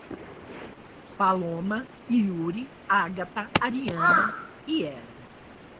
Paloma, Yuri, Ágata, Ariana e Hellen